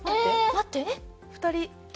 待って。